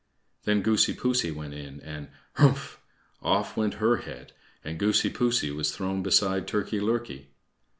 Then Goosey poosey went in, and "Hrumph!" off went her head and Goosey poosey was thrown beside Turkey lurkey.